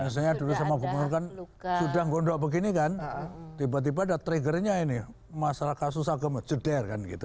misalnya dulu sama gubernur kan sudah gondok begini kan tiba tiba ada triggernya ini masalah kasus agama ceder kan gitu